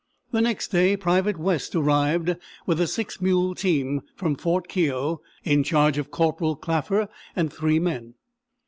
The next day Private West arrived with a six mule team from Fort Keogh, in charge of Corporal Clafer and three men.